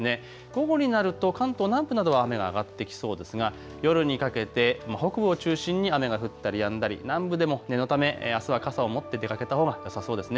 午後になると関東南部などは雨が上がってきそうですが夜にかけて北部を中心に雨が降ったりやんだり、南部でも念のためあすは傘を持って出かけたほうがよさそうです。